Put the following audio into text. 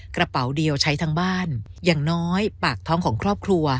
กระเป๋าเดียวใช้ทั้งบ้านอย่างน้อยปากท้องของครอบครัว